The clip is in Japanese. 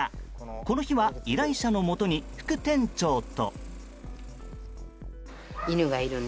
この日は依頼者のもとに副店長と。